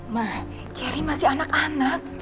ma cherry masih anak anak